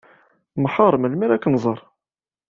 Nḥar melmi ara ken-nẓer.